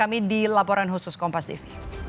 kami di laporan khusus kompas tv